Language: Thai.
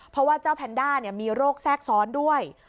เพราะว่าเจ้าแพนด้ามีโรคแทรกซ้อนด้วย